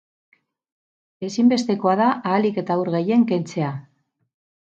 Ezinbestekoa da ahalik eta ur gehien kentzea.